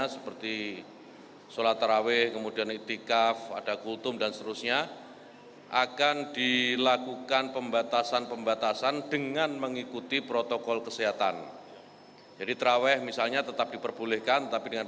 silakan dari mui untuk menyampaikan